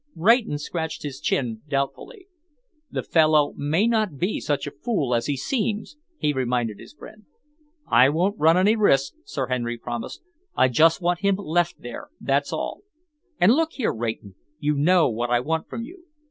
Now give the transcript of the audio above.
Rayton scratched his chin doubtfully. "The fellow may not be such a fool as he seems," he reminded his friend. "I won't run any risks," Sir Henry promised. "I just want him left there, that's all. And look here, Rayton, you know what I want from you.